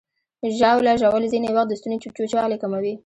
ژاوله ژوول ځینې وخت د ستوني وچوالی کموي.